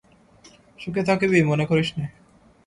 সুখে থাকিবি মনে করিস নে।